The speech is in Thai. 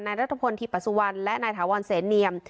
รัฐพลธิปสุวรรณและนายถาวรเสนเนียม